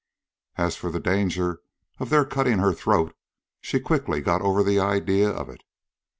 As for the danger of their cutting her throat, she quickly got over the idea of it.